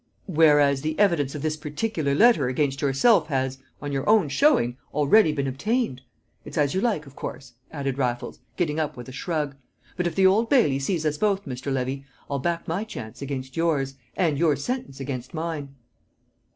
"Whereas the evidence of this particular letter against yourself has, on your own showing, already been obtained! It's as you like, of course," added Raffles, getting up with a shrug. "But if the Old Bailey sees us both, Mr. Levy, I'll back my chance against yours and your sentence against mine!"